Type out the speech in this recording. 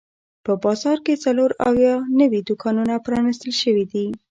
په بازار کې څلور اویا نوي دوکانونه پرانیستل شوي دي.